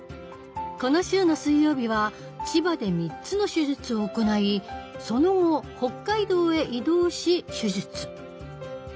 この週の水曜日は千葉で３つの手術を行いその後北海道へ移動し手術。